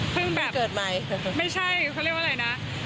แบบเกิดใหม่ไม่ใช่เขาเรียกว่าอะไรนะ